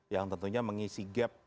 yang tentunya mengisi gap